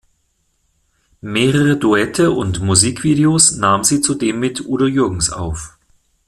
Mehrere Duette und Musikvideos nahm sie zudem mit Udo Jürgens auf.